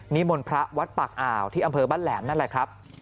มนต์พระวัดปากอ่าวที่อำเภอบ้านแหลมนั่นแหละครับ